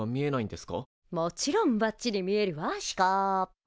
もちろんばっちり見えるわシュコー。